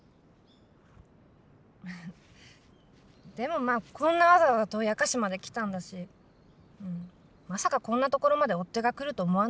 でもまあこんなわざわざ遠い明石まで来たんだしうんまさかこんな所まで追っ手が来ると思わないけどね。